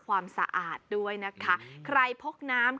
แก้ปัญหาผมร่วงล้านบาท